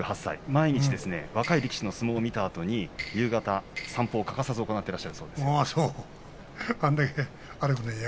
毎日若い力士の相撲を見たあとに夕方散歩を欠かさず行ってるそうです。